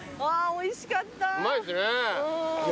おいしかった。